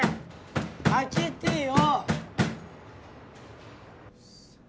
・開けてよ！